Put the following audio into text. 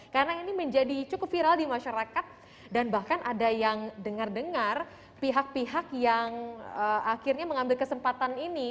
karena ini menjadi cukup viral di masyarakat dan bahkan ada yang dengar dengar pihak pihak yang akhirnya mengambil kesempatan ini